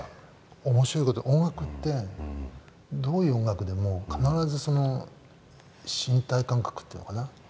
面白い事に音楽ってどういう音楽でも必ず身体感覚というのかな。